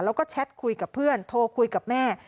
แล้วก็แชทคุยกับเพื่อนโทรคุยกับแม่